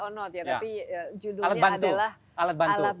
or not ya tapi judulnya adalah